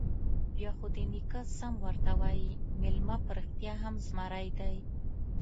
_بيا خو دې نيکه سم ورته وايي، مېلمه په رښتيا هم زمری دی.